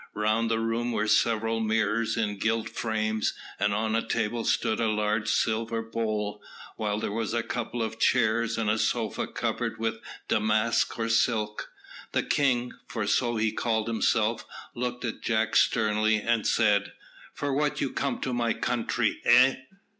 Round the room were several mirrors in gilt frames, and on a table stood a large silver bowl, while there were a couple of chairs and a sofa covered with damask or silk. The king, for so he called himself, looked at Jack sternly and said, "For what you come to my country, eh?"